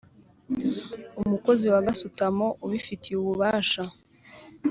umukozi wa gasutamo ubifitiye ububasha